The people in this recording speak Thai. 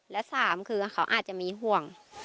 และสามคือเขาอาจจะมีห่วง